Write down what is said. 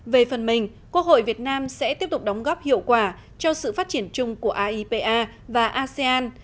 về phần mình quốc hội việt nam sẽ tiếp tục đóng góp hiệu quả cho sự phát triển chung của aipa và asean